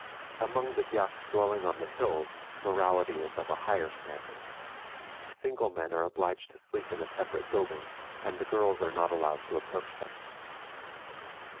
Among the Dyaks dwelling on the hills morality is of a higher standard. Single men are obliged to sleep in a separate building, and the girls are not allowed to approach them.